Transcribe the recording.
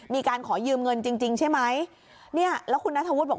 มีการขอยืมเงินจริงจริงใช่ไหมเนี่ยแล้วคุณนัทธวุฒิบอก